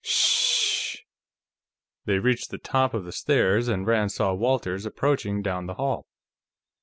"Ssssh!" They reached the top of the stairs, and Rand saw Walters approaching down the hall.